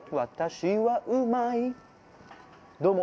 どうも。